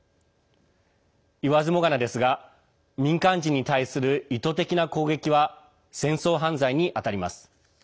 言わずもがなですが民間人に対する意図的な攻撃は戦争犯罪にあたります。